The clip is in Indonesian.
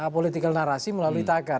politikal narasi melalui tagar